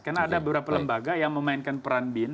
karena ada beberapa lembaga yang memainkan peran bin